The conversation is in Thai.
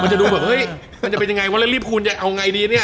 มันจะดูแบบเห้ยมันจะเป็นยังไงวันเรียกรีบคุณจะเอาไงดีเนี่ย